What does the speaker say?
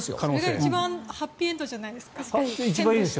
それが一番ハッピーエンドじゃないですか。